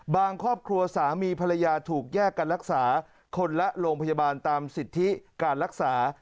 ครอบครัวสามีภรรยาถูกแยกกันรักษาคนละโรงพยาบาลตามสิทธิการรักษา